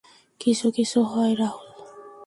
কিছু কিছু হয় রাহুল।